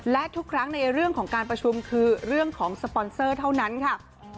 และทุกครั้งในเรื่องของการประชุมคือเรื่องของสปอนเซอร์เท่านั้นค่ะ